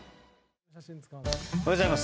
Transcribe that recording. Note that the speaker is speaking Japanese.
おはようございます。